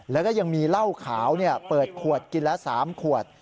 แล้วก็ยังมีเหล้าขาวเปิดขวดกินละ๓ขวด